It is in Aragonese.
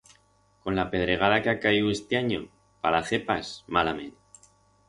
Con la pedregada que ha caiu este anyo, pa la cepas, malament.